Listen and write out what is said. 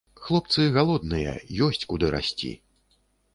Хлопцы галодныя, ёсць куды расці.